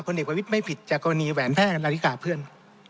เด็กประวิทย์ไม่ผิดจากกรณีแหวนแพทย์นาฬิกาเพื่อน